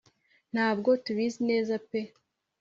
ntabwo tubizi neza pe